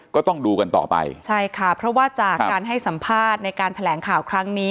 ก็ต้องดูกันต่อไปใช่ค่ะเพราะว่าจากการให้สัมภาษณ์ในการแถลงข่าวครั้งนี้